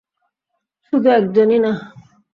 শুধু একজনই না।